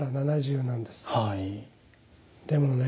でもね